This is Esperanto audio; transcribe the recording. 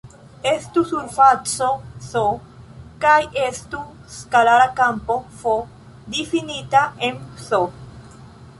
Estu surfaco "S" kaj estu skalara kampo "f" difinita en "S".